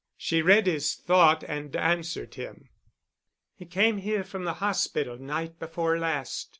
She read his thought and answered him. "He came here from the hospital night before last.